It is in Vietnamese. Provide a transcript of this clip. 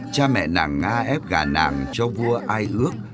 cha mẹ nàng nga ép gà nàng cho vua ai ước